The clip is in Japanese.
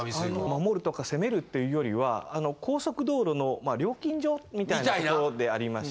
守るとか攻めるっていうよりは高速道路の料金所みたいな所でありまして。